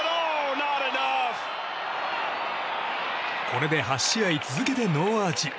これで８試合続けてノーアーチ。